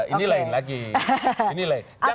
ini lain lagi ini lain